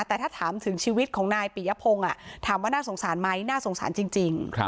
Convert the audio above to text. แต่ถ้าถามถึงชีวิตของนายปิยพงศ์ถามว่าน่าสงสารไหมน่าสงสารจริง